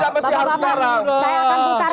bapak bapak saya akan putarkan ya